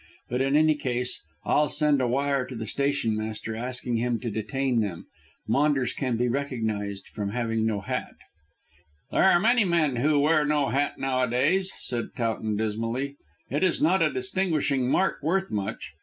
But, in any case, I'll send a wire to the stationmaster asking him to detain them. Maunders can be recognised from having no hat." "There are many men who wear no hat nowadays," said Towton dismally, "it is not a distinguishing mark worth much.